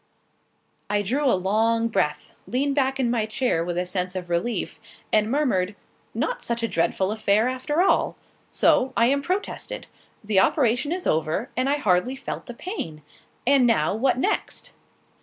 I drew a long breath, leaned back in my chair with a sense of relief, and murmured "Not such a dreadful affair, after all. So, I am protested! The operation is over, and I hardly felt the pain. And now what next?"